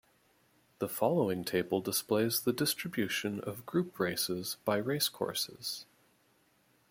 The following table displays the distribution of Group Races by racecourses.